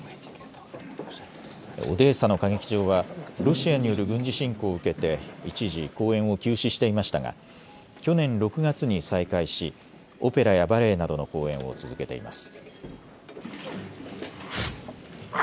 オデーサの歌劇場はロシアによる軍事侵攻を受けて一時、公演を休止していましたが去年６月に再開しオペラやバレエなどの公演を続けています。